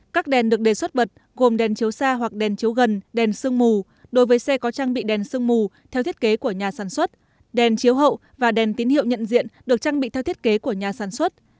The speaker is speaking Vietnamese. các đèn được đề xuất bật gồm đèn chiếu xa hoặc đèn chiếu gần đèn sương mù đối với xe có trang bị đèn sương mù theo thiết kế của nhà sản xuất đèn chiếu hậu và đèn tín hiệu nhận diện được trang bị theo thiết kế của nhà sản xuất